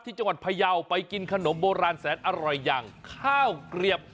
จังหวัดพยาวไปกินขนมโบราณแสนอร่อยอย่างข้าวเกลียบ